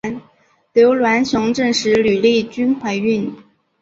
刘銮雄证实吕丽君怀孕。